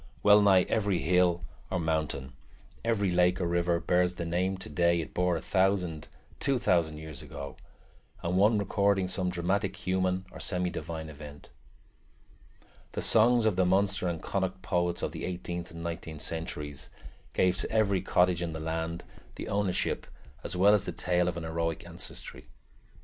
Well nigh every hill or mountain, every lake or river, bears the name today it bore a thousand, two thousand, years ago, and one recording some dramatic human or semi divine event. The songs of the Munster and Connacht poets of the eighteenth and nineteenth centuries gave to every cottage in the land the ownership as well as the tale of an heroic ancestry.